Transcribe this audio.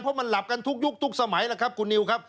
เพราะมันหลับกันทุกยุคทุกสมัยแล้วครับคุณนิวครับ